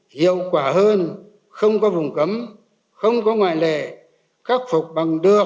hiệu quả hơn không có vùng cấm không có ngoại lệ khắc phục bằng được